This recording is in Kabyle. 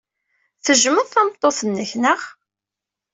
Tejjmeḍ tameṭṭut-nnek, naɣ?